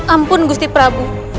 ampun gusi prabu